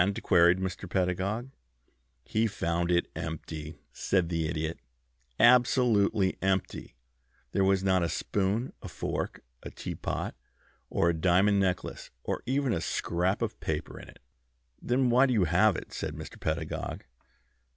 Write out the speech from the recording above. queried Mr. Pedagog. "He found it empty," said the Idiot; "absolutely empty. There was not a spoon, a fork, a tea pot, or a diamond necklace, or even a scrap of paper in it." "Then why do you have it," said Mr. Pedagog.